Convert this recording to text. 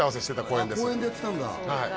公園でやってたんだはい